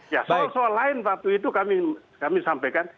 ya soal soal lain waktu itu kami sampaikan